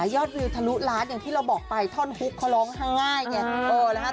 ยอดวิวทะลุล้านอย่างที่เราบอกไปท่อนฮุกเขาร้องห้าง่ายเนี่ยเออแล้วฮะ